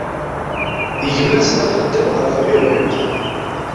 Gma-s d axeddam ɣer tɣiwant.